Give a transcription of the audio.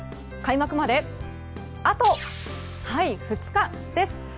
開幕まであと２日です。